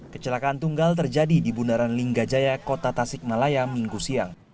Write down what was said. kecelakaan tunggal terjadi di bundaran linggajaya kota tasikmalaya minggu siang